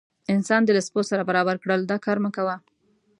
انسان دې له سپو سره برابر کړل دا کار مه کوه.